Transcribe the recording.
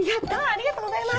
ありがとうございます！